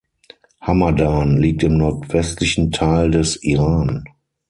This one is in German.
Hamadan liegt im nordwestlichen Teil des Iran.